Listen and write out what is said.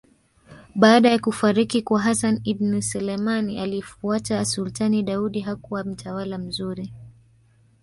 Baada ya kufariki kwa Hassan Ibin Suleman aliyefuata Sultan Daudi hakuwa mtawala mzuri